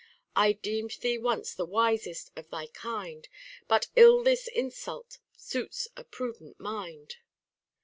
I deemed thee once the wisest of thy kind, But ill this insult suits a prudent mind.